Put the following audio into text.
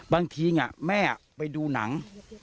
บางทีแม่ไปดูหนัง